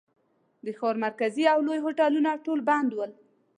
د ښار مرکزي او لوی هوټلونه ټول بند ول.